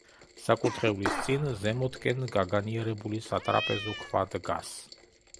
საკურთხევლის წინ, ზემოთკენ გაგანიერებული სატრაპეზო ქვა დგას.